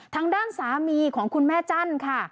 ทางด้านสามีของคุณแม่จั้นค่ะ